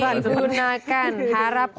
harap menggunakan harap menjaga anak anak itu